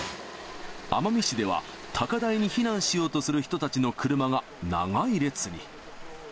奄美市では高台に避難しようとする人たちの車が、長い列に。